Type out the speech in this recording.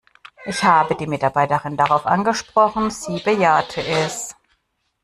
Ich habe die Mitarbeiterin darauf angesprochen, sie bejahte es.